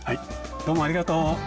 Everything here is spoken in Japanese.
どうもありがとう。